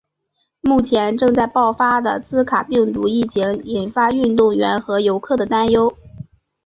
目前正在爆发的兹卡病毒疫情引发运动员和游客的担忧。